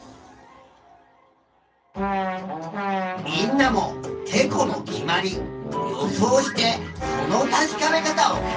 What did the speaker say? みんなも「てこの決まり」予想してその確かめ方を考えてみてくれ。